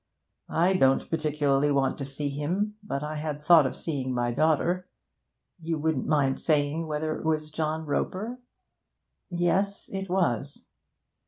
'I don't particularly want to see him, but I had thought of seeing my daughter. You wouldn't mind saying whether it was John Roper ?' 'Yes, it was.'